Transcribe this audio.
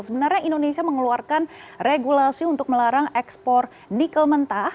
sebenarnya indonesia mengeluarkan regulasi untuk melarang ekspor nikel mentah